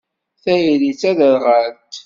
Tayri d taderɣalt.